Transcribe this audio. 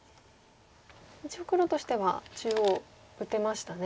一応黒としては中央打てましたね。